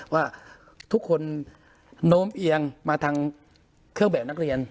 ว่าทุกคนโน้มเอียงมาทางเครื่องแบบนักเรียน